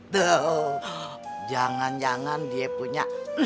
tuh jangan jangan dia punya